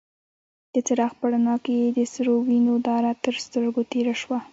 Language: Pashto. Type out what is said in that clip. د څراغ په رڼا کې يې د سرو وينو داره تر سترګو تېره شوه.